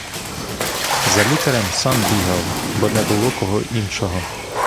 За лікарем сам бігав, бо не було кого іншого.